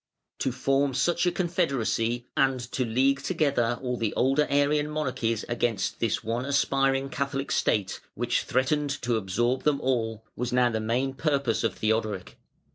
To form such a confederacy and to league together all the older Arian monarchies against this one aspiring Catholic state, which threatened to absorb them all, was now the main purpose of Theodoric.